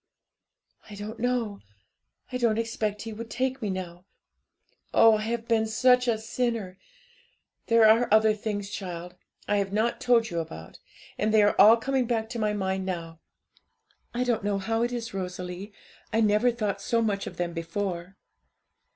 'I don't know; I don't expect He would take me now; oh, I have been such a sinner! There are other things, child, I have not told you about; and they are all coming back to my mind now. I don't know how it is, Rosalie, I never thought so much of them before.'